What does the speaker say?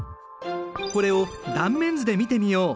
これを断面図で見てみよう。